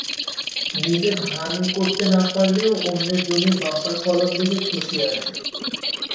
নিজে ধান করতে না পারলেও অন্যের জমির বাম্পার ফলন দেখে খুশি আরজু।